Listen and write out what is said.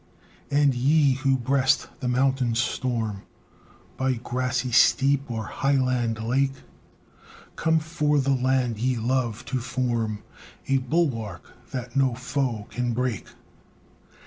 And ye, who breast the mountain storm By grassy steep or highland lake, Come, for the land ye love, to form A bulwark that no foe can break.